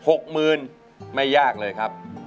หกหมื่นไม่ยากเลยครับ